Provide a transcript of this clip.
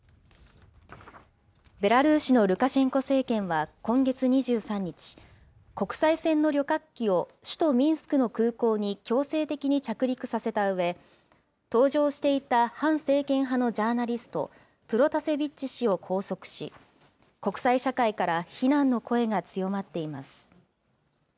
ベラルーシのルカシェンコ政権は今月２３日、国際線の旅客機を首都ミンスクの空港に強制的に着陸させたうえ、搭乗していた反政権派のジャーナリスト、プロタセビッチ氏を拘束し、国際社会から非難の声が強まっています。